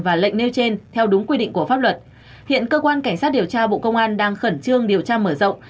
và lệnh nêu trên theo đúng quy định của pháp luật hiện cơ quan cảnh sát điều tra bộ công an đang khẩn trương điều tra mở rộng